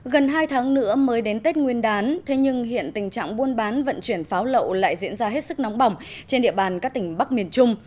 gần hai tháng nữa mới đến tết nguyên đán thế nhưng hiện tình trạng buôn bán vận chuyển pháo lậu lại diễn ra hết sức nóng bỏng trên địa bàn các tỉnh bắc miền trung